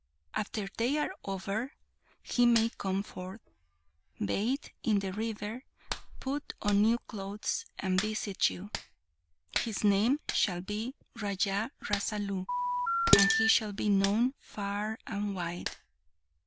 After they are over, he may come forth, bathe in the river, put on new clothes, and visit you. His name shall be Raja Rasalu, and he shall be known far and wide."